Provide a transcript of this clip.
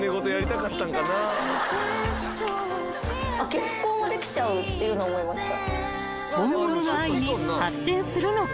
結婚はできちゃうっていうの思いました。